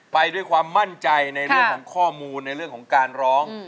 ไปด้วยความมั่นใจในเรื่องของข้อมูลในเรื่องของการร้อง